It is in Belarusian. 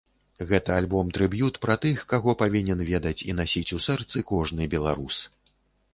Гэта альбом-трыб'ют пра тых, каго павінен ведаць і насіць у сэрцы кожны беларус.